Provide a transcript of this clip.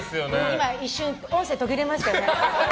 今、一瞬音声途切れましたよね。